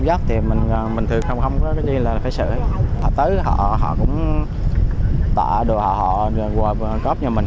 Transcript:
dốc thì mình th breathe không sony là phải sửa được thứ học cũng tạ đồ họ là của bọn công nhân mình